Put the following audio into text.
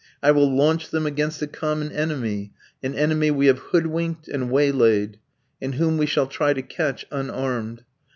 I will launch them against a common enemy, an enemy we have hood winked and waylaid, and whom we shall try to catch unarmed.